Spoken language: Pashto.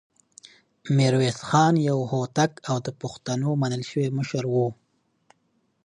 ميرويس خان يو هوتک او د پښتنو منل شوی مشر و.